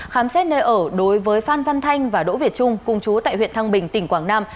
khám xét nơi ở đối với phan văn thanh và đỗ việt trung cùng chú tại huyện thăng bình tỉnh quảng nam